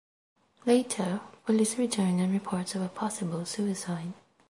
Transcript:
Later, police returned on reports of a possible suicide.